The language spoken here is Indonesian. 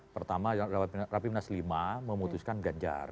pertama rapimnas v memutuskan ganjar